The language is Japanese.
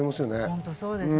本当にそうですね。